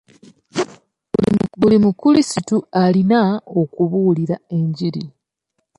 Buli mukrisitu alina okubuulira enjiri.